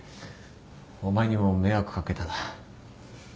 お前にも迷惑かけたな。